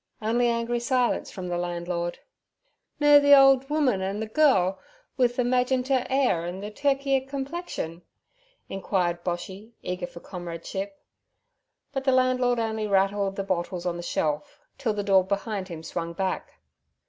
Only angry silence from the landlord. 'Nur ther owed woman an' the girl wi' ther majenter 'air an' ther turkey egg complexion?" inquired Boshy, eager for comradeship. But the landlord only rattled the bottles on the shelf till the door behind him swung back.